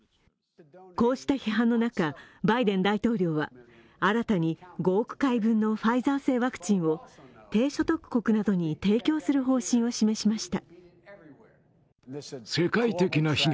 こうした批判の中、バイデン大統領は新たに５億回分のファイザー製ワクチンを低所得国などに提供する方針を示しました。